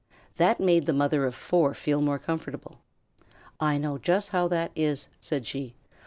That made the mother of the four feel more comfortable. "I know just how that is," said she.